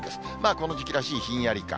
この時期らしいひんやり感。